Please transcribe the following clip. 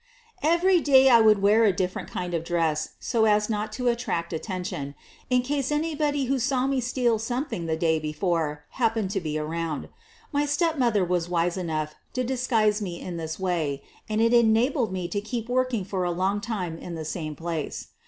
'' Every day I would wear a different kind of dress so as not to attract attention, in case anybody who saw me steal something the day before happened to QUEEN OF THE BURGLARS 15 be around. My stepmother was wise enough to dis guise me in this way, and it enabled me to keep working for a long time in the same place.